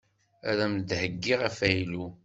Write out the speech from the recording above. Ad am-d-heyyiɣ afaylu.